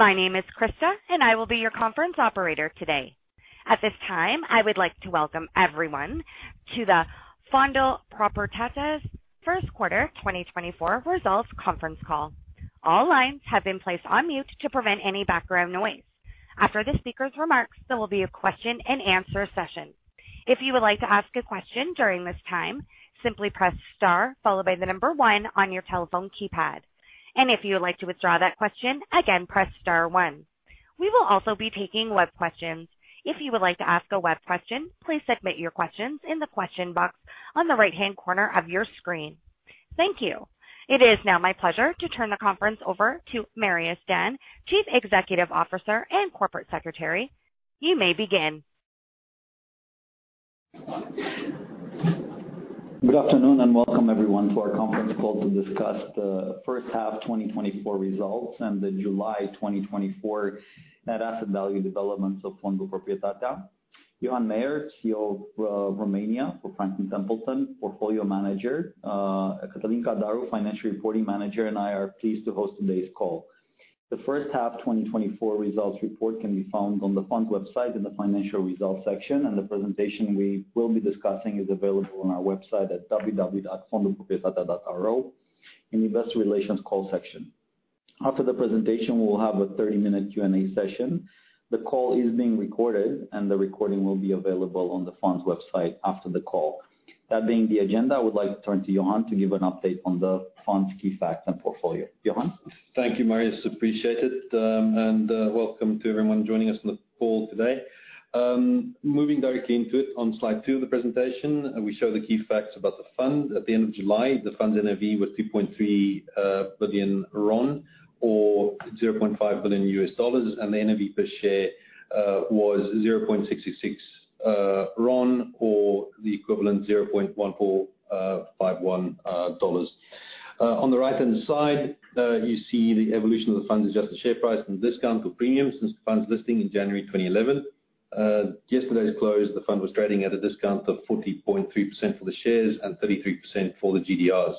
My name is Krista, and I will be your conference operator today. At this time, I would like to welcome everyone to the Fondul Proprietatea's first quarter 2024 results conference call. All lines have been placed on mute to prevent any background noise. After the speaker's remarks, there will be a question and answer session. If you would like to ask a question during this time, simply press star followed by the number one on your telephone keypad, and if you would like to withdraw that question again, press star one. We will also be taking web questions. If you would like to ask a web question, please submit your questions in the question box on the right-hand corner of your screen. Thank you. It is now my pleasure to turn the conference over to Marius Dan, Chief Executive Officer and Corporate Secretary. You may begin. Good afternoon, and welcome everyone to our conference call to discuss the first half 2024 results and the July 2024 net asset value developments of Fondul Proprietatea. Johan Meyer, CEO Romania for Franklin Templeton, Portfolio Manager, Cătălin Cadaru, Financial Reporting Manager, and I are pleased to host today's call. The first half 2024 results report can be found on the fund website in the financial results section, and the presentation we will be discussing is available on our website at www.fondulproprietatea.ro in the investor relations call section. After the presentation, we will have a thirty-minute Q&A session. The call is being recorded, and the recording will be available on the fund's website after the call. That being the agenda, I would like to turn to Johan to give an update on the fund's key facts and portfolio. Johan? Thank you, Marius. Appreciate it, and welcome to everyone joining us on the call today. Moving directly into it, on slide two of the presentation, we show the key facts about the fund. At the end of July, the fund's NAV was 2.3 billion RON or $0.5 billion, and the NAV per share was 0.666 RON, or the equivalent, $0.1451. On the right-hand side, you see the evolution of the fund's adjusted share price from discount to premium since the fund's listing in January 2011. Yesterday's close, the fund was trading at a discount of 40.3% for the shares and 33% for the GDRs.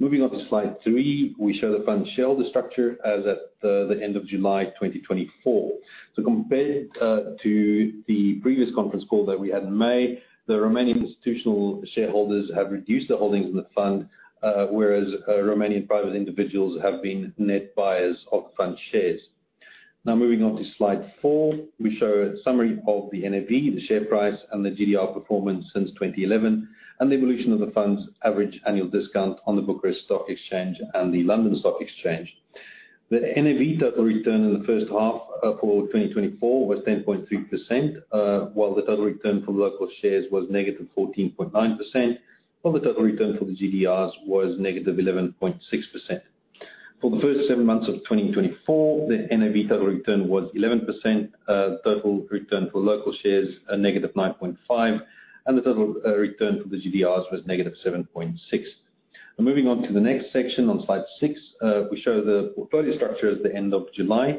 Moving on to slide three, we show the fund's shareholder structure as at the end of July 2024, so compared to the previous conference call that we had in May, the Romanian institutional shareholders have reduced their holdings in the fund, whereas Romanian private individuals have been net buyers of fund shares. Now, moving on to slide four, we show a summary of the NAV, the share price, and the GDR performance since 2011, and the evolution of the fund's average annual discount on the Bucharest Stock Exchange and the London Stock Exchange. The NAV total return in the first half for 2024 was 10.3%, while the total return for local shares was -14.9%, while the total return for the GDRs was -11.6%. For the first seven months of 2024, the NAV total return was 11%, total return for local shares negative 9.5%, and the total return for the GDRs was -7.6%. Moving on to the next section on slide 6, we show the portfolio structure at the end of July,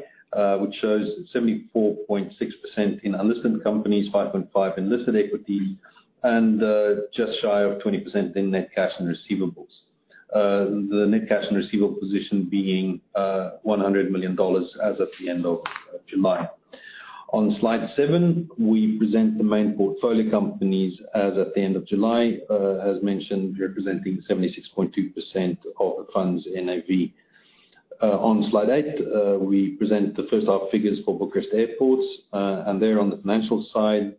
which shows 74.6% in unlisted companies, 5.5% in listed equity, and just shy of 20% in net cash and receivables. The net cash and receivable position being $100 million as of the end of July. On slide 7, we present the main portfolio companies as at the end of July, as mentioned, representing 76.2% of the fund's NAV. On slide 8, we present the first half figures for Bucharest Airports. And there on the financial side,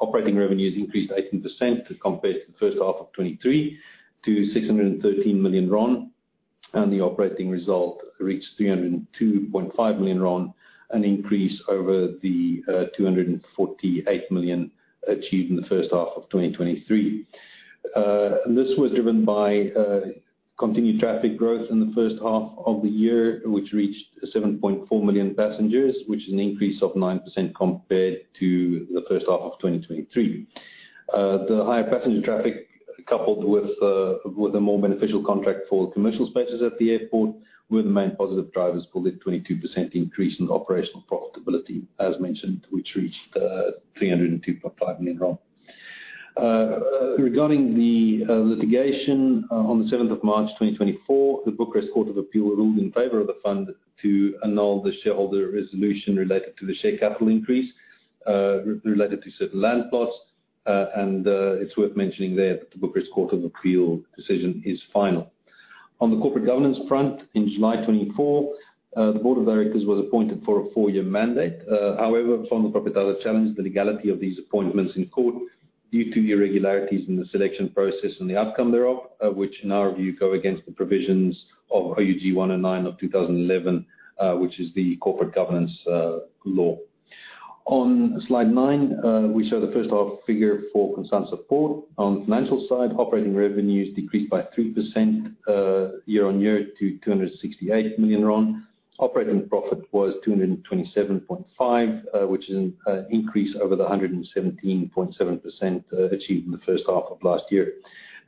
operating revenues increased 18% compared to the first half of 2023 to RON 613 million, and the operating result reached RON 302.5 million, an increase over the 248 million achieved in the first half of 2023. This was driven by continued traffic growth in the first half of the year, which reached 7.4 million passengers, which is an increase of 9% compared to the first half of 2023. The higher passenger traffic, coupled with a more beneficial contract for commercial spaces at the airport, were the main positive drivers for the 22% increase in operational profitability, as mentioned, which reached RON 302.5 million. Regarding the litigation, on the seventh of March 2024, the Bucharest Court of Appeal ruled in favor of the fund to annul the shareholder resolution related to the share capital increase related to certain land plots, and it's worth mentioning there that the Bucharest Court of Appeal decision is final. On the corporate governance front, in July 2024, the board of directors was appointed for a four-year mandate. However, Fondul Proprietatea challenged the legality of these appointments in court due to irregularities in the selection process and the outcome thereof, which in our view go against the provisions of OUG 109 of 2011, which is the corporate governance law. On slide 9, we show the first half figure for Constanta Port. On the financial side, operating revenues decreased by 3% year-on-year to 268 million RON. Operating profit was 227.5 million RON, which is an increase over the 117.7% achieved in the first half of last year.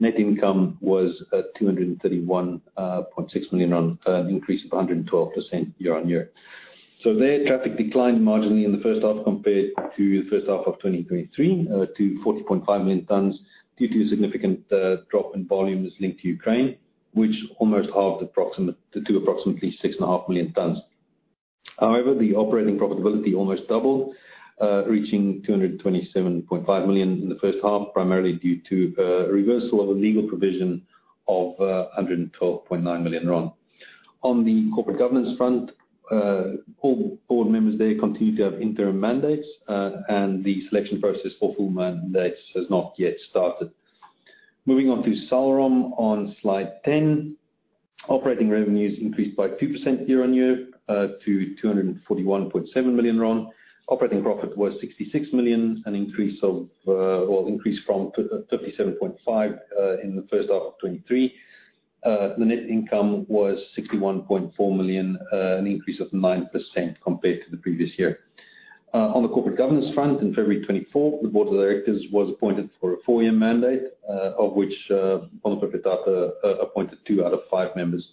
Net income was at 231.6 million RON, an increase of 112% year on year. Traffic declined marginally in the first half compared to the first half of 2023 to 40.5 million tons, due to a significant drop in volumes linked to Ukraine, which almost halved to approximately 6.5 million tons. However, the operating profitability almost doubled, reaching 227.5 million RON in the first half, primarily due to a reversal of a legal provision of 112.9 million RON. On the corporate governance front, all board members there continue to have interim mandates, and the selection process for full mandates has not yet started. Moving on to Salrom on slide 10. Operating revenues increased by 2% year-on-year to 241.7 million RON. Operating profit was 66 million RON, an increase of or increased from 37.5 million RON in the first half of 2023. The net income was 61.4 million RON, an increase of 9% compared to the previous year. On the corporate governance front, in February 2024, the board of directors was appointed for a four-year mandate, of which Fondul Proprietatea appointed two out of five members.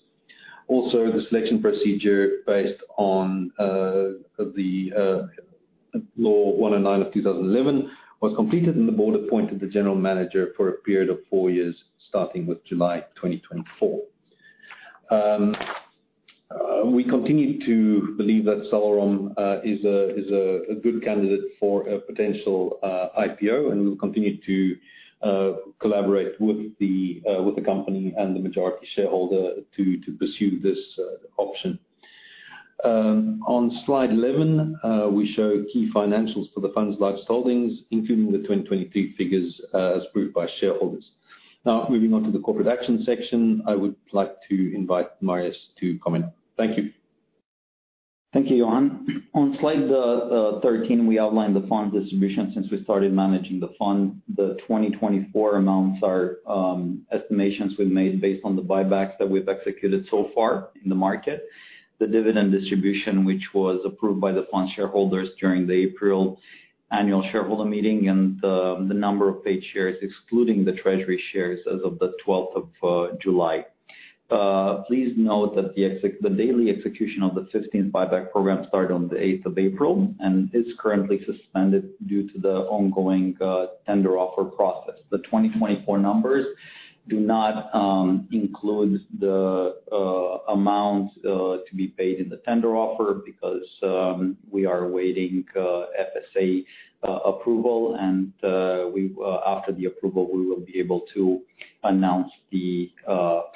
Also, the selection procedure based on the Law 109 of 2011 was completed, and the board appointed the general manager for a period of four years, starting with July 2024. We continue to believe that Salrom is a good candidate for a potential IPO, and we'll continue to collaborate with the company and the majority shareholder to pursue this option. On slide 11, we show key financials for the fund's largest holdings, including the 2023 figures as approved by shareholders. Now, moving on to the corporate action section, I would like to invite Marius to comment. Thank you. Thank you, Johan. On slide 13, we outlined the fund distribution since we started managing the fund. The 2024 amounts are estimations we've made based on the buybacks that we've executed so far in the market. The dividend distribution, which was approved by the fund shareholders during the April annual shareholder meeting, and the number of paid shares, excluding the treasury shares as of the twelfth of July. Please note that the daily execution of the fifteenth buyback program started on the eighth of April and is currently suspended due to the ongoing tender offer process. The 2024 numbers do not include the amount to be paid in the tender offer because we are waiting ASF approval. After the approval, we will be able to announce the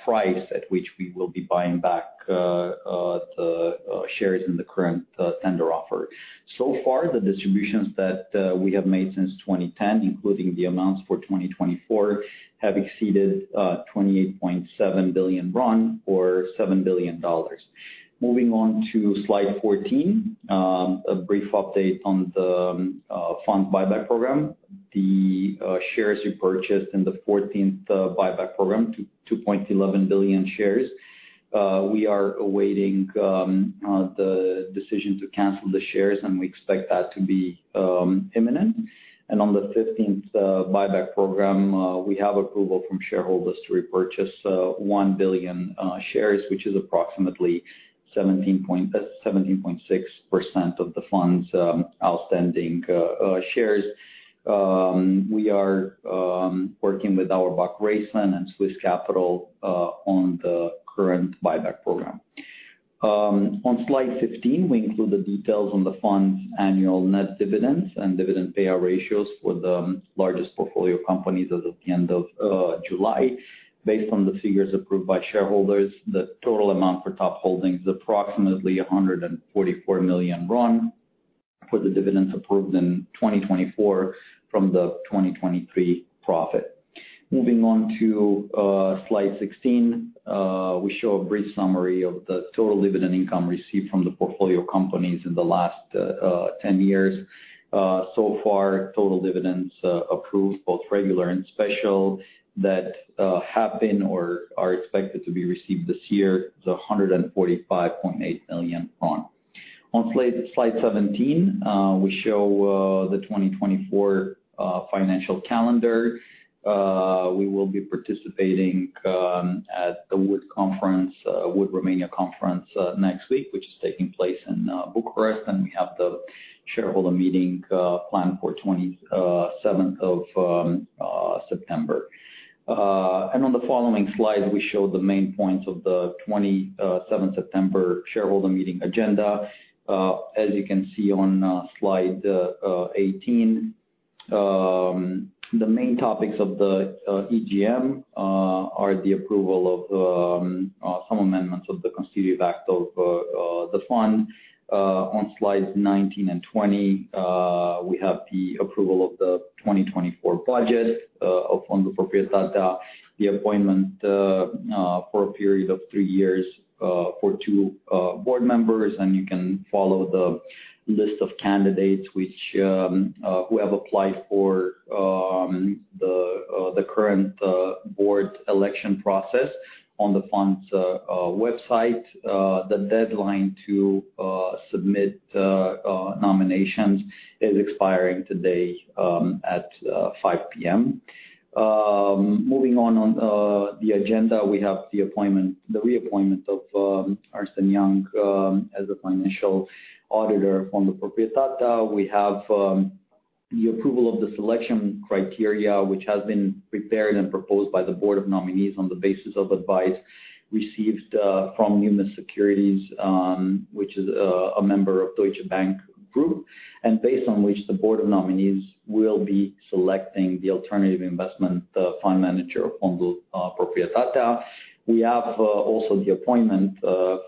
price at which we will be buying back the shares in the current tender offer. So far, the distributions that we have made since 2010, including the amounts for 2024, have exceeded 28.7 billion RON, or $7 billion. Moving on to slide 14, a brief update on the fund buyback program. The shares we purchased in the fourteenth buyback program, 2.11 billion shares. We are awaiting the decision to cancel the shares, and we expect that to be imminent. On the fifteenth buyback program, we have approval from shareholders to repurchase 1 billion shares, which is approximately 17 point... That's 17.6% of the fund's outstanding shares. We are working with Auerbach Grayson and Swiss Capital on the current buyback program. On slide 15, we include the details on the fund's annual net dividends and dividend payout ratios for the largest portfolio companies as of the end of July. Based on the figures approved by shareholders, the total amount for top holdings is approximately 144 million RON for the dividends approved in 2024 from the 2023 profit. Moving on to slide 16, we show a brief summary of the total dividend income received from the portfolio companies in the last 10 years. So far, total dividends approved, both regular and special, that have been or are expected to be received this year is 145.8 million RON. On slide seventeen, we show the 2024 financial calendar. We will be participating at the WOOD Romania conference next week, which is taking place in Bucharest, and we have the shareholder meeting planned for 27th of September. On the following slide, we show the main points of the 27th September shareholder meeting agenda. As you can see on slide eighteen, the main topics of the EGM are the approval of some amendments of the constitutive act of the fund. On slides 19 and 20, we have the approval of the 2024 budget of Fondul Proprietatea, the appointment for a period of three years for two board members. You can follow the list of candidates who have applied for the current board election process on the fund's website. The deadline to submit nominations is expiring today at 5:00 P.M. Moving on the agenda, we have the reappointment of Ernst & Young as the financial auditor of Fondul Proprietatea. We have... the approval of the selection criteria, which has been prepared and proposed by the Board of Nominees on the basis of advice received from Numis Securities, which is a member of Deutsche Bank Group, and based on which the Board of Nominees will be selecting the alternative investment, the fund manager of Fondul Proprietatea. We have also the appointment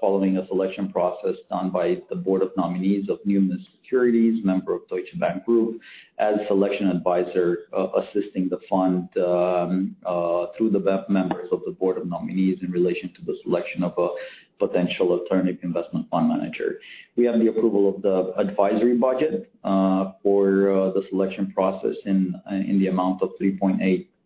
following a selection process done by the Board of Nominees of Numis Securities, member of Deutsche Bank Group, as selection advisor assisting the fund through the BoN members of the Board of Nominees in relation to the selection of a potential alternative investment fund manager. We have the approval of the advisory budget for the selection process in the amount of RON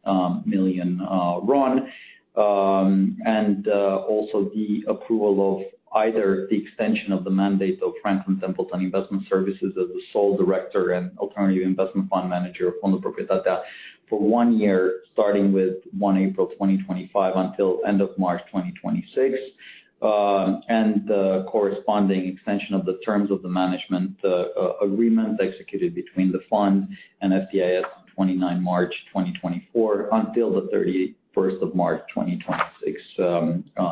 3.8 million. and also the approval of either the extension of the mandate of Franklin Templeton Investment Services as the sole director and alternative investment fund manager of Fondul Proprietatea for one year, starting with 1 April 2025 until end of March 2026. And the corresponding extension of the terms of the management agreement executed between the fund and FTIS, 29 March 2024 until the 31st of March 2026,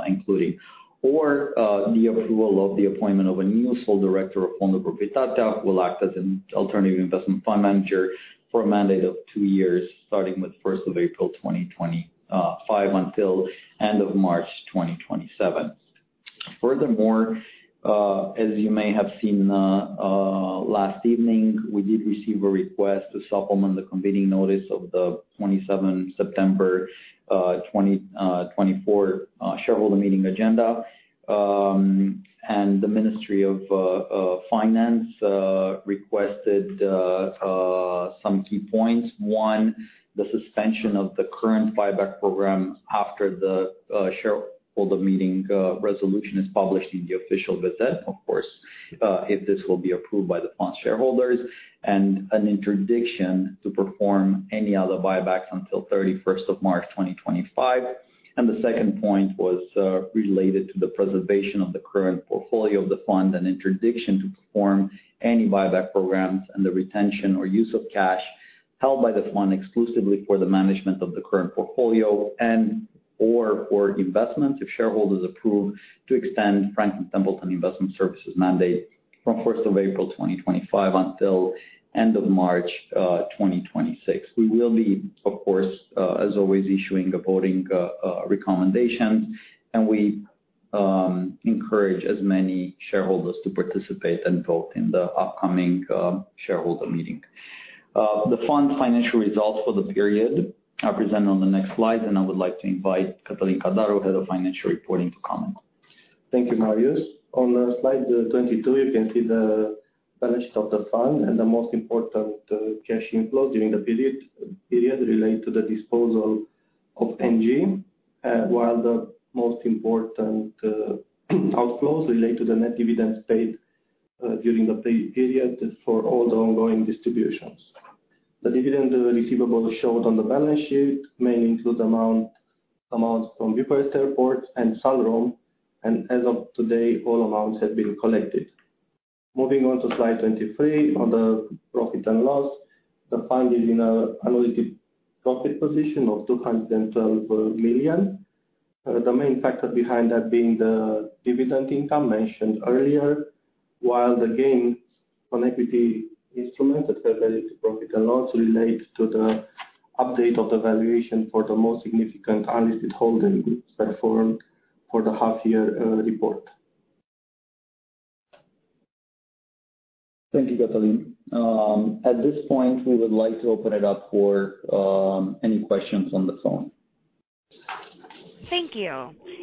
including or the approval of the appointment of a new sole director of Fondul Proprietatea will act as an alternative investment fund manager for a mandate of two years, starting with the first of April 2025 until end of March 2027. Furthermore, as you may have seen, last evening, we did receive a request to supplement the convening notice of the 27 September 2024 shareholder meeting agenda. And the Ministry of Finance requested some key points. One, the suspension of the current buyback program after the shareholder meeting resolution is published in the Official Gazette, of course, if this will be approved by the fund shareholders, and an interdiction to perform any other buybacks until 31 March 2025. The second point was related to the preservation of the current portfolio of the fund and interdiction to perform any buyback programs and the retention or use of cash held by the fund exclusively for the management of the current portfolio and, or for investment, if shareholders approve to extend Franklin Templeton International Services mandate from first of April 2025 until end of March 2026. We will be, of course, as always, issuing a voting recommendation, and we encourage as many shareholders to participate and vote in the upcoming shareholder meeting. The fund financial results for the period are presented on the next slide, and I would like to invite Cătălin Cadaru, Head of Financial Reporting, to comment. Thank you, Marius. On slide 22, you can see the balance of the fund and the most important cash inflows during the period related to the disposal of Engie, while the most important outflows relate to the net dividends paid during the period for all the ongoing distributions. The dividend receivable shown on the balance sheet mainly includes amounts from Bucharest Airports and Salrom, and as of today, all amounts have been collected. Moving on to slide 23, on the profit and loss, the fund is in a net profit position of RON 212 million. The main factor behind that being the dividend income mentioned earlier, while the gains on equity instruments profit and loss relate to the update of the valuation for the most significant unlisted holding that form part of the half-year report. Thank you, Cătălin. At this point, we would like to open it up for any questions on the phone. Thank you.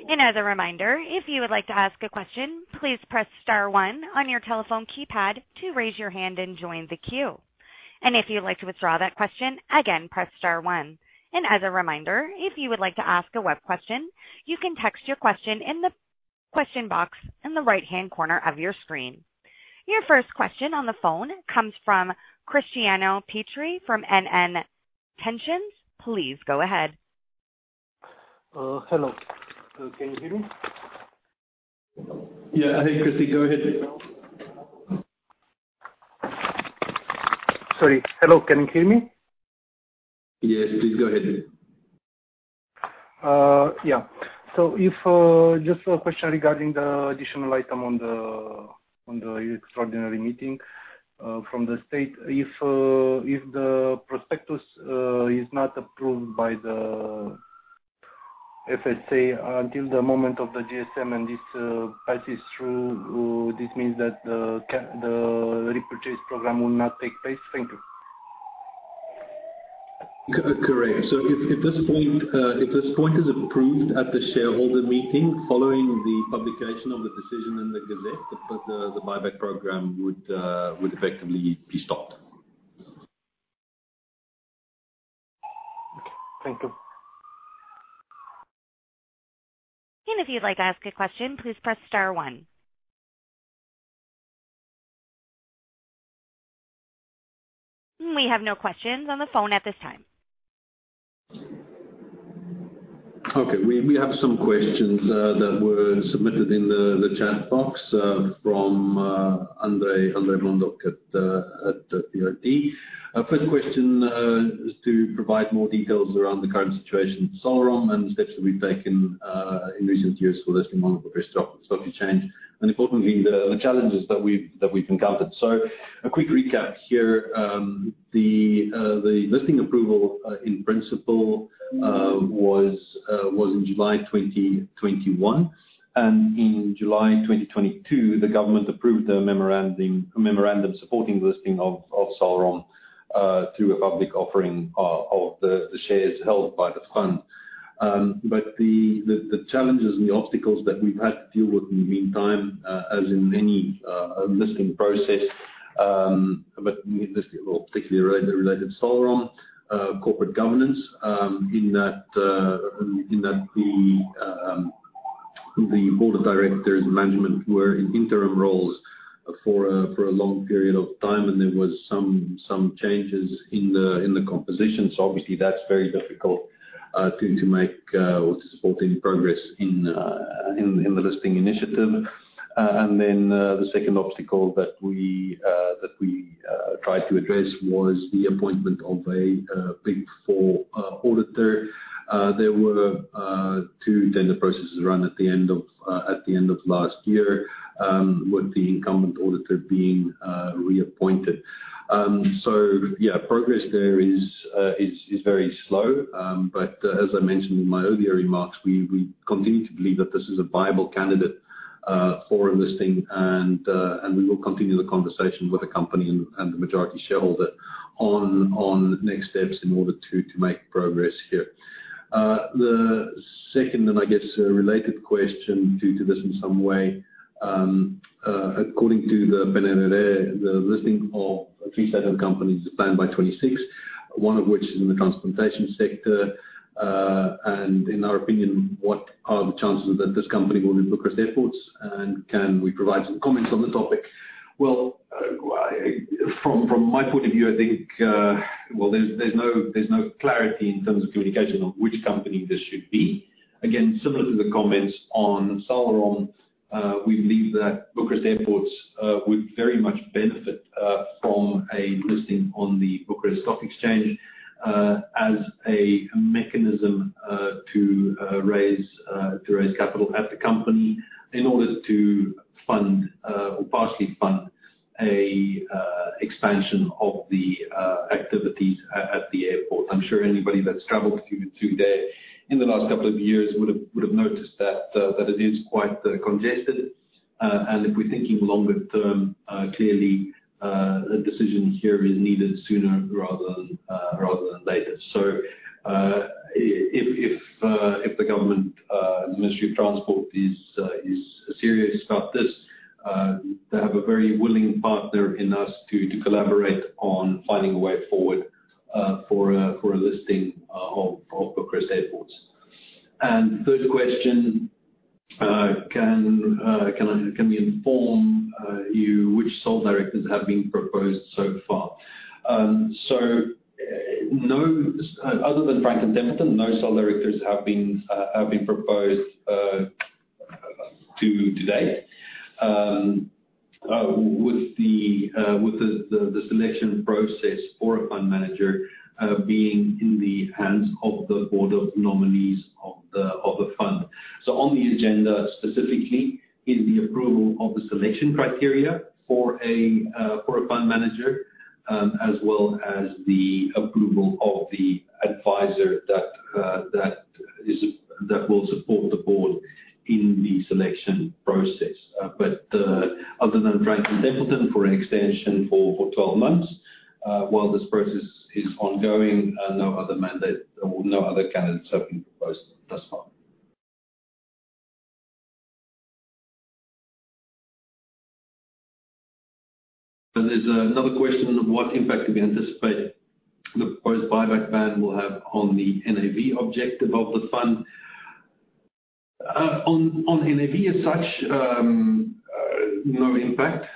And as a reminder, if you would like to ask a question, please press star one on your telephone keypad to raise your hand and join the queue. And if you'd like to withdraw that question, again, press star one. And as a reminder, if you would like to ask a web question, you can text your question in the question box in the right-hand corner of your screen. Your first question on the phone comes from Cristiano Petri from NN Pensions. Please go ahead. Hello. Can you hear me? Yeah, I hear you, Cristi. Go ahead. Sorry. Hello, can you hear me? Yes, please go ahead. Yeah. Just a question regarding the additional item on the extraordinary meeting from the state. If the prospectus is not approved by the FSA until the moment of the GSM and this passes through, this means that the repurchase program will not take place? Thank you. Correct. So if this point is approved at the shareholder meeting, following the publication of the decision in the Gazette, the buyback program would effectively be stopped. Okay, thank you. And if you'd like to ask a question, please press star one. We have no questions on the phone at this time. Okay, we have some questions that were submitted in the chat box from Andrei Blondo at the DOT. First question is to provide more details around the current situation of Salrom, and steps that we've taken in recent years for listing on the Bucharest Stock Exchange, and importantly, the challenges that we've encountered. So a quick recap here. The listing approval in principle was in July 2021, and in July 2022, the government approved a memorandum supporting listing of Salrom through a public offering of the shares held by the fund. But the challenges and the obstacles that we've had to deal with in the meantime, as in any listing process, well, particularly related to Salrom corporate governance, in that the board of directors and management were in interim roles for a long period of time, and there was some changes in the composition. So obviously, that's very difficult to make or to support any progress in the listing initiative. And then, the second obstacle that we tried to address was the appointment of a big four auditor. There were two tender processes run at the end of last year, with the incumbent auditor being reappointed. So yeah, progress there is very slow. But as I mentioned in my earlier remarks, we continue to believe that this is a viable candidate for a listing, and we will continue the conversation with the company and the majority shareholder on next steps in order to make progress here. The second, and I guess a related question due to this in some way, according to the PNRR, the listing of three state-owned companies is planned by 2026, one of which is in the transportation sector, and in our opinion, what are the chances that this company will be Bucharest Airports, and can we provide some comments on the topic? From my point of view, I think there's no clarity in terms of communication on which company this should be. Again, similar to the comments on Salrom, we believe that Bucharest Airports would very much benefit from a listing on the Bucharest Stock Exchange, as a mechanism to raise capital at the company, in order to fund or partially fund an expansion of the activities at the airport. I'm sure anybody that's traveled through there in the last couple of years would've noticed that it is quite congested. If we're thinking longer term, clearly a decision here is needed sooner rather than later. So, if the government, the Ministry of Transport is serious about this, they have a very willing partner in us to collaborate on finding a way forward, for a listing of Bucharest Airports. And third question, can we inform you which sole directors have been proposed so far? So, no, other than Franklin Templeton, no sole directors have been proposed to date. With the selection process for a fund manager being in the hands of the Board of Nominees of the fund. On the agenda, specifically, is the approval of the selection criteria for a fund manager, as well as the approval of the advisor that will support the board in the selection process, but other than Franklin Templeton for an extension for twelve months while this process is ongoing, no other mandate or no other candidates have been proposed thus far. There's another question: What impact do we anticipate the proposed buyback ban will have on the NAV objective of the fund? On NAV as such, no impact,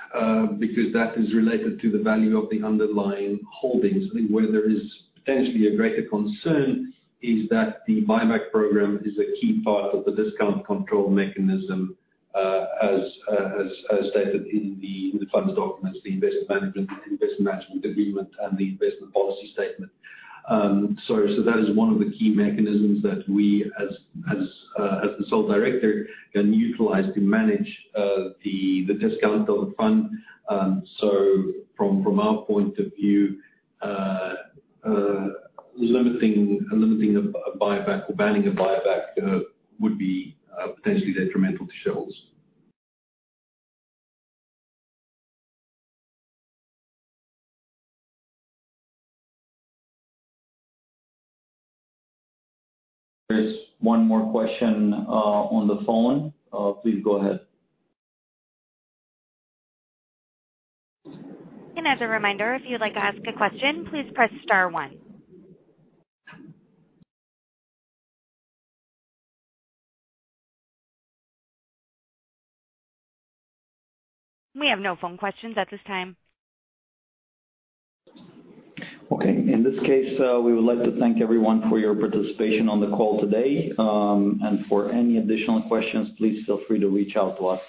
because that is related to the value of the underlying holdings. I think where there is potentially a greater concern is that the buyback program is a key part of the discount control mechanism, as stated in the fund's documents, the investment management agreement, and the investment policy statement. So that is one of the key mechanisms that we as the sole director can utilize to manage the discount of the fund. So from our point of view, limiting a buyback or banning a buyback would be potentially detrimental to shareholders. There's one more question on the phone. Please go ahead. As a reminder, if you'd like to ask a question, please press star one. We have no phone questions at this time. Okay, in this case, we would like to thank everyone for your participation on the call today. And for any additional questions, please feel free to reach out to us,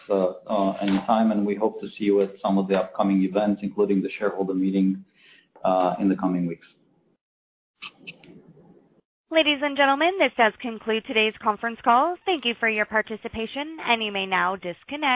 anytime, and we hope to see you at some of the upcoming events, including the shareholder meeting, in the coming weeks. Ladies and gentlemen, this does conclude today's conference call. Thank you for your participation, and you may now disconnect.